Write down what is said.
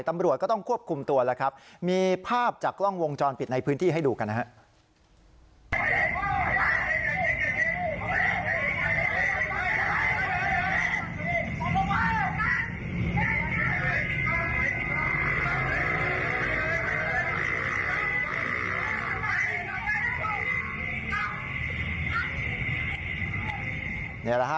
ตำรวจก็ต้องควบคุมตัวแล้วครับมีภาพจากกล้องวงจรปิดในพื้นที่ให้ดูกันนะฮะ